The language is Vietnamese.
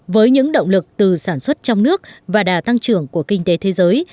với những động lực từ sản xuất trong nước và đà tăng trưởng của kinh tế thế giới